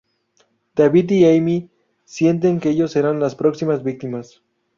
David y Amy sienten que ellos serán las próximas víctimas.